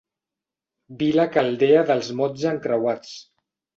Vila caldea dels mots encreuats.